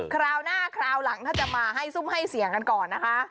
คราวหน้าคราวหลังถ้าจะมาให้ซุ่มให้เสียงกันก่อนนะคะ